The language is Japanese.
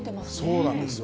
そうなんですよ。